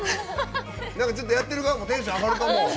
ちょっとやってる側もテンション上がるかも。